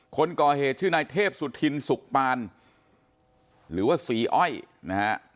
คนก่อเหตุชื่อนายเทพสุธินสุขปานหรือว่าศรีอ้อยนะฮะ